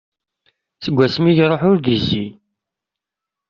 Seg wasmi i iruḥ ur d-yezzi.